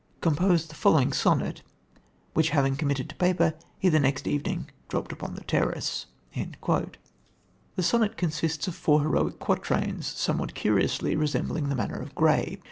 composed the following sonnet, which, having committed it to paper, he, the next evening dropped upon the terrace." The sonnet consists of four heroic quatrains somewhat curiously resembling the manner of Gray.